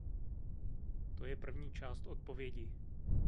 To je první část odpovědi.